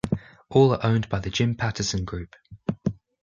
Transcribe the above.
All are owned by the Jim Pattison Group.